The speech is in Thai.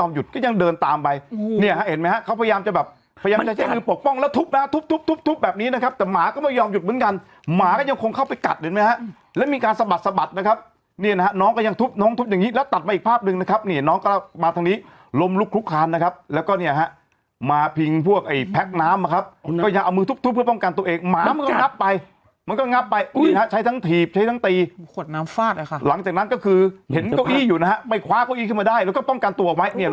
มันน่าจะแบบหยุดเลี้ยงกันไหมไม่รู้ว่าพูดอย่างนี้มันเห็นแค่ตัวป่ะ